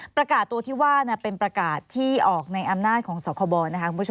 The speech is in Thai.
ประกาศตัวที่ว่าเป็นประกาศที่ออกในอำนาจของสกบรณ์